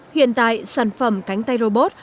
hiện tại sản phẩm cánh tay robot